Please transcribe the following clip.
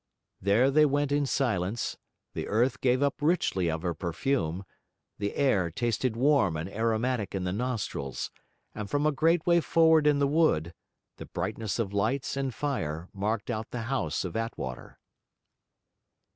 There they went in silence, the earth gave up richly of her perfume, the air tasted warm and aromatic in the nostrils; and from a great way forward in the wood, the brightness of lights and fire marked out the house of Attwater.